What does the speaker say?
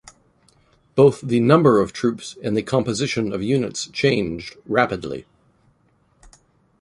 Both the number of troops and the composition of units changed rapidly.